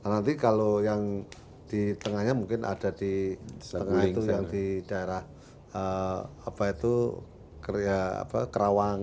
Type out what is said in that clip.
nanti kalau yang di tengahnya mungkin ada di tengah itu yang di daerah kerawang